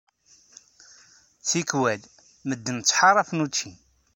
Tikkwal, medden ttḥaṛafen učči.